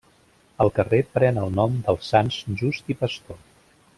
El carrer pren el nom dels Sants Just i Pastor.